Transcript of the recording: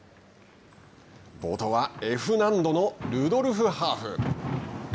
冒頭はＦ難度のルドルフハーフ。